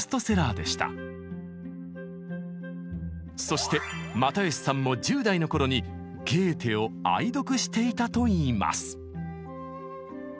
そして又吉さんも１０代の頃にゲーテを愛読していたといいます。